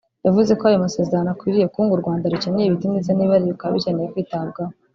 yavuze ko ayo masezerano akwiriye kuko ngo u Rwanda rukeneye ibiti ndetse n’ibihari bikaba bikeneye kwitabwaho